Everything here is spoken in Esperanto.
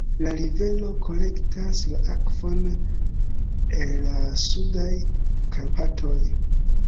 La rivero kolektas la akvon el la Sudaj Karpatoj.